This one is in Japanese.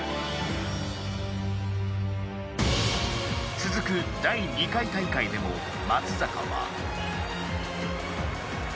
続く第２回大会でも松坂は。